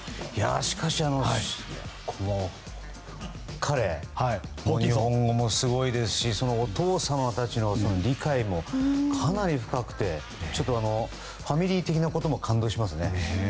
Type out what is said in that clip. しかし、彼ホーキンソン選手日本語もすごいですしお父様たちの理解もかなり深くてファミリー的なことも感動します。